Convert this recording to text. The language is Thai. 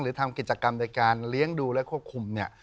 ทำกิจกรรมในการเลี้ยงดูและควบคุมเนี่ย